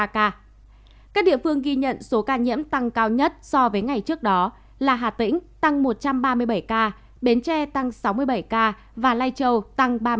các địa phương ghi nhận số ca nhiễm tăng cao nhất so với ngày trước đó là hà tĩnh tăng một trăm ba mươi bảy ca bến tre tăng sáu mươi bảy ca và lai châu tăng ba mươi